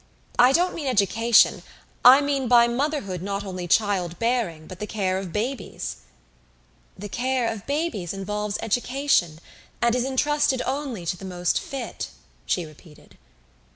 "I don't mean education. I mean by motherhood not only child bearing, but the care of babies." "The care of babies involves education, and is entrusted only to the most fit," she repeated.